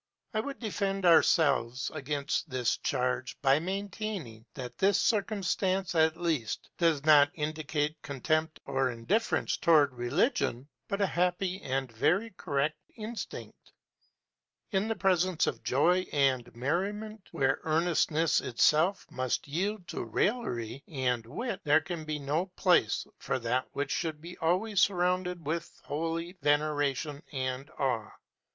I would defend ourselves against this charge by maintaining that this circumstance, at least, does not indicate contempt or indifference toward religion, but a happy and very correct instinct. In the presence of joy and merriment, where earnestness itself must yield to raillery and wit, there can be no place for that which should be always surrounded with holy veneration and awe.